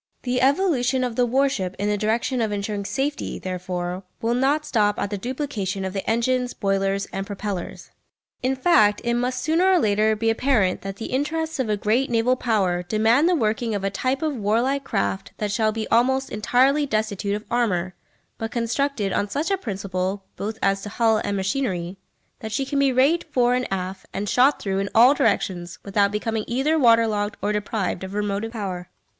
The evolution of the warship in the direction of ensuring safety, therefore, will not stop at the duplication of the engines, boilers and propellers. In fact it must sooner or later be apparent that the interests of a great naval power demand the working out of a type of warlike craft that shall be almost entirely destitute of armour, but constructed on such a principle both as to hull and machinery that she can be raked fore and aft, and shot through in all directions without becoming either water logged or deprived of her motive power.